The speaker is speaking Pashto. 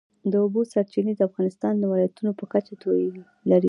د اوبو سرچینې د افغانستان د ولایاتو په کچه توپیر لري.